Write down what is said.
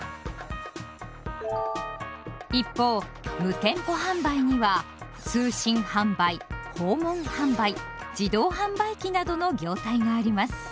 一方「無店舗販売」には通信販売訪問販売自動販売機などの業態があります。